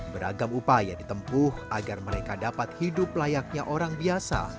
beragam upaya ditempuh agar mereka dapat hidup layaknya orang biasa